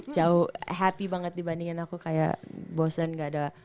jauh happy banget dibandingin aku kayak bosen gak ada